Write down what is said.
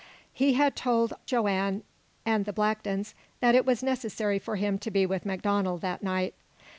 He had told Joanne and the Blacktons that it was necessary for him to be with MacDonald that night.